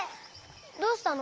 どうしたの？